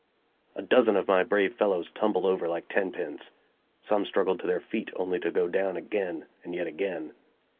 A dozen of my brave fellows tumbled over like ten pins. Some struggled to their feet, only to go down again, and yet again.